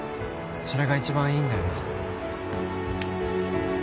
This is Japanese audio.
それが一番いいんだよな？